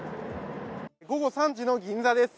午後３時の銀座です。